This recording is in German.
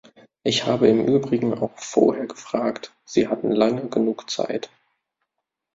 Ich habe im Übrigen auch vorher gefragt, Sie hatten lange genug Zeit.